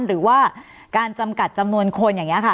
หรือว่าการจำกัดจำนวนคนอย่างนี้ค่ะ